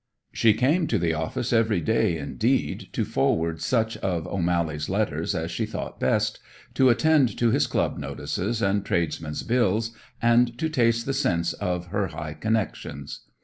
She came to the office every day, indeed, to forward such of O'Mally's letters as she thought best, to attend to his club notices and tradesmen's bills, and to taste the sense of her high connections.